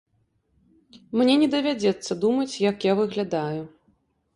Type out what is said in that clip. Мне не давядзецца думаць, як я выглядаю.